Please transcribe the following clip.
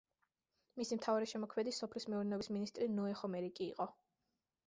მისი მთავარი შემოქმედი სოფლის მეურნეობის მინისტრი ნოე ხომერიკი იყო.